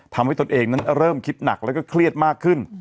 ตนเองนั้นเริ่มคิดหนักแล้วก็เครียดมากขึ้น